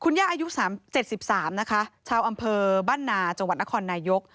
ย่าอายุ๗๓นะคะชาวอำเภอบ้านนาจังหวัดนครนายก